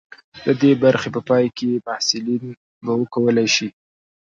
د دې برخې په پای کې محصلین به وکولی شي.